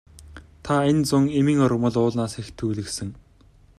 Та энэ зун эмийн ургамал уулнаас их түүлгэсэн.